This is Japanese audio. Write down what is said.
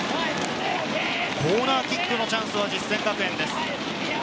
コーナーキックのチャンスは実践学園です。